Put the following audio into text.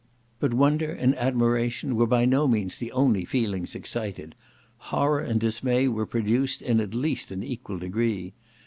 But wonder and admiration were by no means the only feelings excited; horror and dismay were produced in at least an equal degree.